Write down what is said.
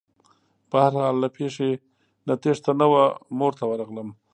په هر حال له پېښې نه تېښته نه وه مور ته ورغلم.